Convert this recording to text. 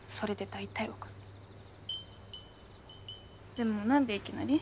でも何でいきなり？